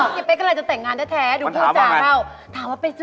เนี่ยเป๊กกำลังจะแต่งงานดูเขาพูดสิ